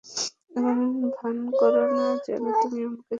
এমন ভান করো না যেন তুমি আমাকে চেনো না।